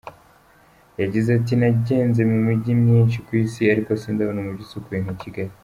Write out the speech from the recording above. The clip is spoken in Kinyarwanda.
Yagize ati “Nagenze mu mijyi myinshi ku Isi ariko sindabona umujyi usukuye nka Kigali.